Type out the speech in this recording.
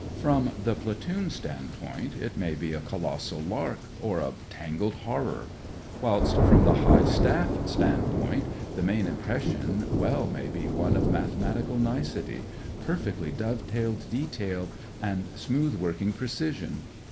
From the platoon standpoint it may be a colossal lark or a tangled horror, whilst, from the High Staff standpoint, the main impression may well be one of mathematical nicety, perfectly dovetailed detail, and smooth working precision.